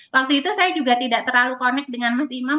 waktu itu saya juga tidak terlalu connect dengan mas imam